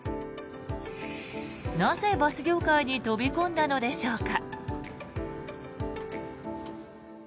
なぜ、バス業界に飛び込んだのでしょうか。